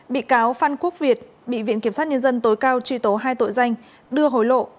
bị cáo phan quốc việt bị viện kiểm sát nhân dân tối cao truy tố hai tội danh đưa hối lộ